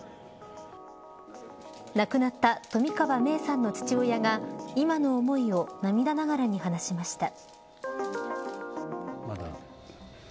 亡くなった冨川芽衣さんの父親が今の思いを涙ながらに話しました。